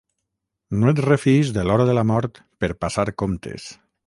No et refiïs de l'hora de la mort per passar comptes.